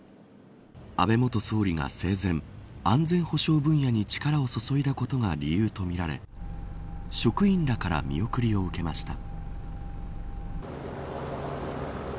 安倍元総理が生前安全保障分野に力を注いだことが理由とみられ職員らから見送りを受けました。